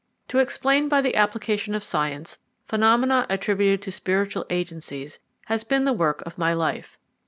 To explain, by the application of science, phenomena attributed to spiritual agencies has been the work of my life.